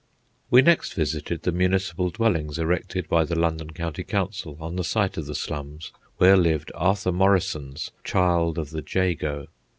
We next visited the municipal dwellings erected by the London County Council on the site of the slums where lived Arthur Morrison's "Child of the Jago."